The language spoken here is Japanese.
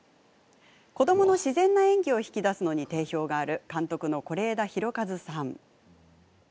子どもの自然な演技を引き出すのに定評がある監督の是枝裕和さん。